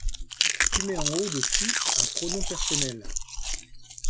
Tu mets en haut de tout un pronom personnel !